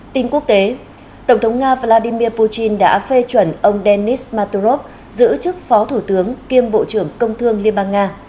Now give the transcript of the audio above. tin quốc tế tổng thống nga vladimir putin đã phê chuẩn ông denis matorov giữ chức phó thủ tướng kiêm bộ trưởng công thương liên bang nga